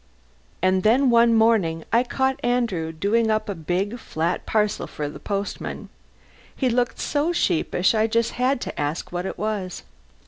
And then one morning I caught Andrew doing up a big, flat parcel for the postman. He looked so sheepish I just had to ask what it was.